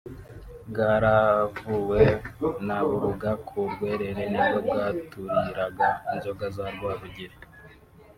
bwaravuwe na Burunga ku Rwerere nibwo bwaturiraga inzoga za Rwabugili